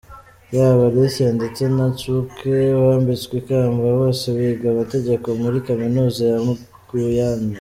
Yaba Alicia ndetse na Coucke wambitswe ikamba bose biga amategeko muri Kaminuza ya Guyane.